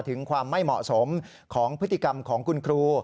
ถึงความไม่เหมาะสมของพฤติกรรมของคุณครู